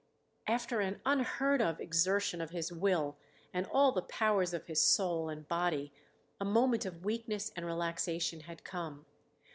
After an unheard of exertion of his will and all the powers of his soul and body a moment of weakness and relaxation had come.